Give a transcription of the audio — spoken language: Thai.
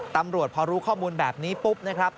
ตำรวจพอรู้ข้อมูลแบบนี้ปุ๊บนะครับ